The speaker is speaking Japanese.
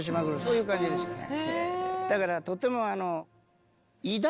そういう感じでしたね。